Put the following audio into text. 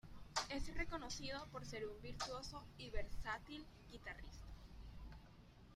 Es reconocido por ser un virtuoso y versátil guitarrista.